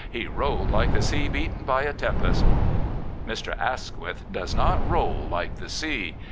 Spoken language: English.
He rolled like the sea beaten by a tempest. Mr. Asquith does not roll like the sea.